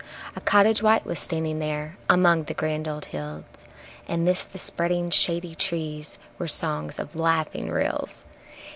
A cottage white was standing there among the grand old hills. And 'midst the spreading shady trees were songs of laughing rills.